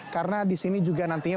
karena di sini juga nantinya